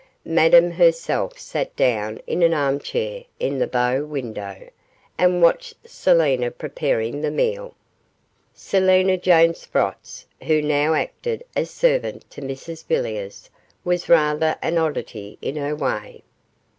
Madame herself sat down in an arm chair in the bow window, and watched Selina preparing the meal. Selina Jane Sprotts, who now acted as servant to Mrs Villiers, was rather an oddity in her way.